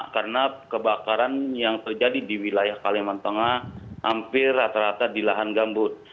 karena kebakaran yang terjadi di wilayah kalimantan tengah hampir rata rata di lahan gambut